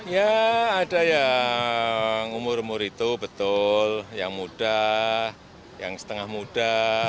ya ada yang umur umur itu betul yang muda yang setengah muda